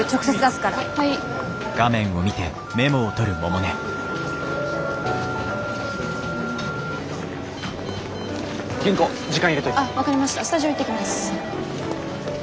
スタジオ行ってきます。